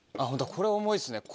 これ重いですよ。